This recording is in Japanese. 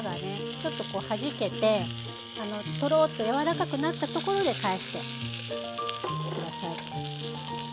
ちょっとこうはじけてトロッとやわらかくなったところで返して下さい。